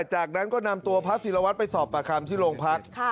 จากนั้นก็นำตัวพระศิลวัตรไปสอบประคำที่โรงพัก